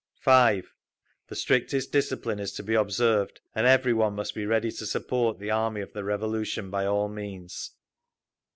5. THE STRICTEST DISCIPLINE IS TO BE OBSERVED, AND EVERY ONE MUST BE READY TO SUPPORT THE ARMY OF THE REVOLUTION BY ALL MEANS.